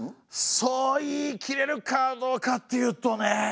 そう言い切れるかどうかっていうとねえ。